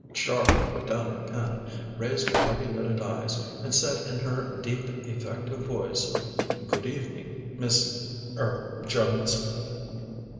Char put down her pen, raised her heavy lidded eyes, and said in her deep, effective voice: "Good evening, Miss er Jones."